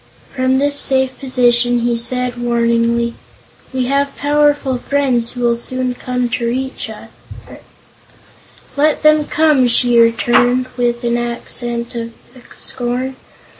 From this safe position he said warningly: "We have powerful friends who will soon come to rescue us." "Let them come," she returned, with an accent of scorn.